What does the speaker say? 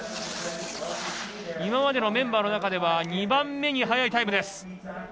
今までのメンバーの中では２番目に早いタイムです。